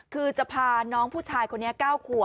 คือจะพาน้องผู้ชายคนนี้๙ขวบ